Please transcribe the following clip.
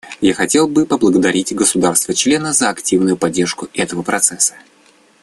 Я хотел бы поблагодарить государства-члены за активную поддержку этого процесса.